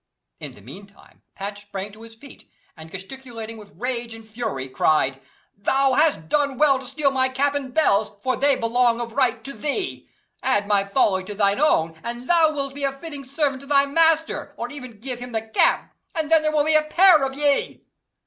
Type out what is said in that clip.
In the meantime Patch sprang to his feet, and, gesticulating with rage and fury, cried, "Thou hast done well to steal my cap and bells, for they belong of right to thee. Add my folly to thy own, and thou wilt be a fitting servant to thy master; or e'en give him the cap, and then there will be a pair of ye."